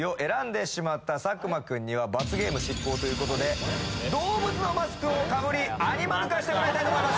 罰ゲーム執行ということで動物のマスクを被りアニマル化してもらいたいと思います